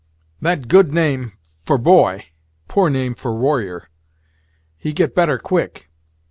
"That good name for boy poor name for warrior. He get better quick.